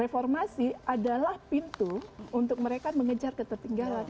reformasi adalah pintu untuk mereka mengejar ketertinggalan